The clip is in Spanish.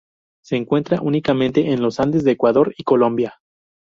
Se encuentra únicamente en los Andes de Ecuador y Colombia.